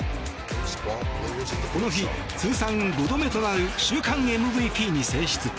この日、通算５度目となる週間ＭＶＰに選出。